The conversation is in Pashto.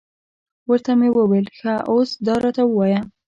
ورته ومې ویل، ښه اوس دا راته ووایه.